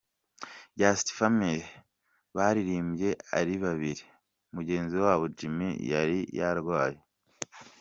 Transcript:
Just Family baririmbye ari babiri mugenzi wabo Jimmy yari yarwaye.